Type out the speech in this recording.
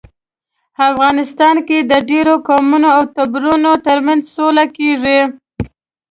افغانستان کې د ډیرو قومونو او ټبرونو ترمنځ سوله کیږي